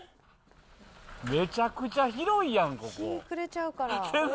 めちゃくちゃ広いやん、ここ。